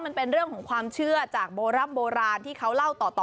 มันเป็นเรื่องของความเชื่อจากโบร่ำโบราณที่เขาเล่าต่อ